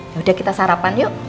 yaudah kita sarapan yuk